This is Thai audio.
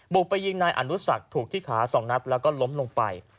บุกไปยิงนายอนุสักถูกที่ขา๒นัดแล้วก็ล้มลงไป